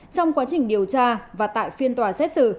trong quá trình điều tra và tại phiên tòa xét xử